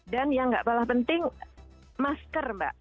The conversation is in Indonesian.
dan yang enggak paling penting masker mbak